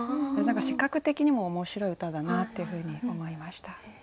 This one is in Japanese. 何か視覚的にも面白い歌だなっていうふうに思いました。